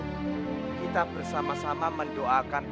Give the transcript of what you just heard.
kita bersama sama mendoakan